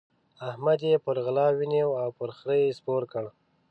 احمد يې پر غلا ونيو او پر خره يې سپور کړ.